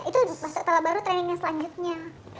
itu setelah baru trainingnya selanjutnya